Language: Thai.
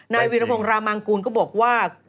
วีรพงศ์รามังกูลก็บอกว่า